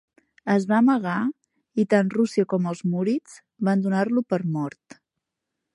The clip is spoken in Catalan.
Es va amagar i tant Rússia com els murids van donar-lo per mort.